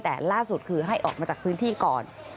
แต่ล่าสุดคือให้ออกมาจากพื้นที่ก่อน